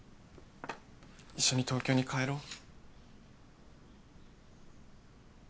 一緒に東京に帰ろう。